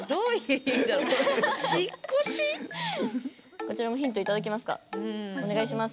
こちらもヒント頂きますか。